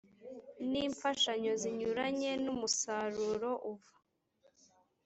n imfashanyo zinyuranye n umusaruro uva